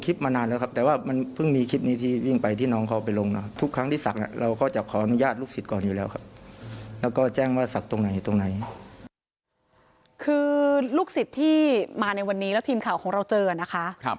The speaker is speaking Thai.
คือลูกศิษย์ที่มาในวันนี้แล้วทีมข่าวของเราเจอนะคะ